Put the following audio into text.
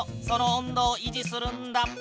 その温度をいじするんだ。